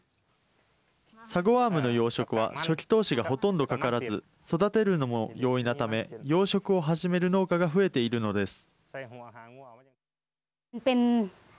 サゴワームの養殖は初期投資がほとんどかからず育てるのも容易なため養殖を始める農家が増えているのです。